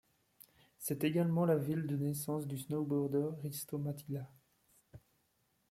C'est également la ville de naissance du snowboarder Risto Mattila.